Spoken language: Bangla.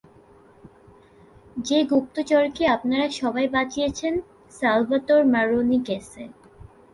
যে গুপ্তচরকে আপনারা সবাই বাঁচিয়েছেন, স্যালভ্যাতোর ম্যারোনি কেসে।